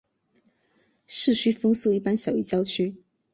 市区风速一般小于郊区。